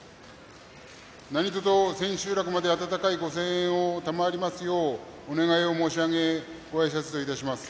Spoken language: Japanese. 何とぞ、千秋楽まで温かいご声援を賜りますようお願いを申し上げごあいさつといたします。